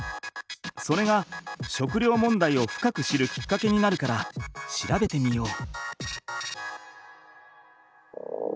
それが食料もんだいを深く知るきっかけになるから調べてみよう。